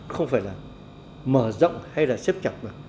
không phải là mở rộng hay là xếp chặt được